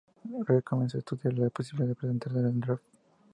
Redd comenzó a estudiar la posibilidad de presentarse al draft.